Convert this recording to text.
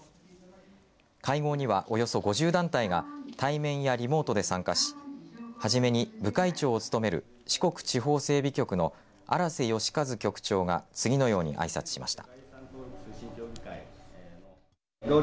会合にはおよそ５０団体が対面やリモートで参加しはじめに、部会長を務める四国地方整備局の荒瀬美和局長が次のようにあいさつしました。